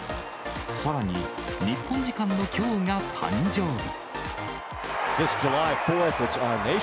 さらに、日本時間のきょうが誕生日。